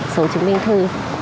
số chứng minh thư